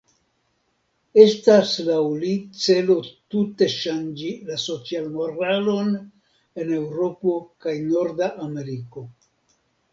Estas laŭ li celo tute ŝanĝi la socialmoralon en Eŭropo kaj Norda Ameriko.